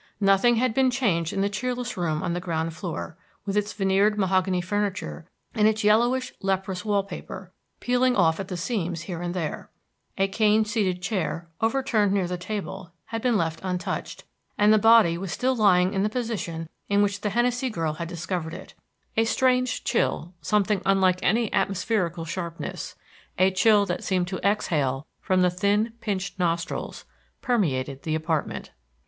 Nothing had been changed in the cheerless room on the ground floor, with its veneered mahogany furniture and its yellowish leprous wall paper, peeling off at the seams here and there. A cane seated chair, overturned near the table, had been left untouched, and the body was still lying in the position in which the Hennessey girl had discovered it. A strange chill something unlike any atmospherical sharpness, a chill that seemed to exhale from the thin, pinched nostrils permeated the apartment.